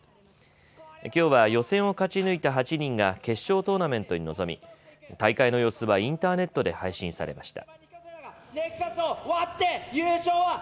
きょうは予選を勝ち抜いた８人が決勝トーナメントに臨み大会の様子はインターネットで配信されました。